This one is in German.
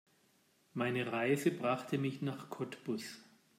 Meine Reise brachte mich nach Cottbus